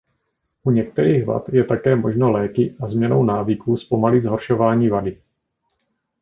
U některých vad je také možno léky a změnou návyků zpomalit zhoršování vady.